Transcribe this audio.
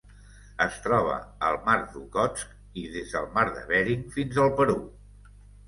Es troba al Mar d'Okhotsk i des del Mar de Bering fins al Perú.